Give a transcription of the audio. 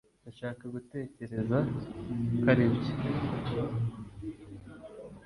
ndashaka gutekereza ko aribyo